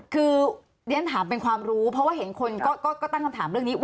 คือเรียนถามเป็นความรู้เพราะว่าเห็นคนก็ตั้งคำถามเรื่องนี้